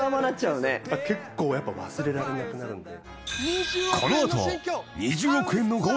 結構やっぱ忘れられなくなるんで。